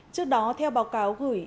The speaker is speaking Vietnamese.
trước đó theo báo cáo gửi